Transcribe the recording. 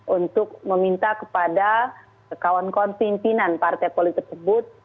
untuk meminta kepada kawan kawan pimpinan partai politik tersebut